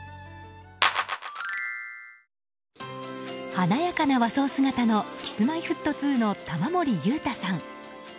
華やかな和装姿のＫｉｓ‐Ｍｙ‐Ｆｔ２の玉森裕太さん。